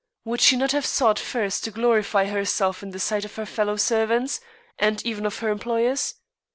Would she not have sought first to glorify herself in the sight of her fellow servants, and even of her employers?